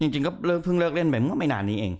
จริงก็เพิ่งเลิกเล่นแบบไม่นานนี้เอง